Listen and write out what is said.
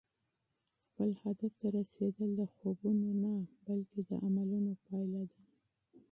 خپل هدف ته رسېدل د خوبونو نه، بلکې د عملونو پایله ده.